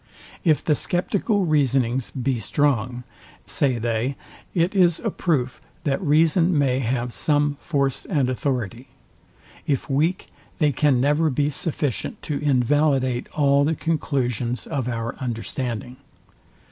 If the sceptical reasonings be strong, say they, it is a proof, that reason may have some force and authority: if weak, they can never be sufficient to invalidate all the conclusions of our understanding.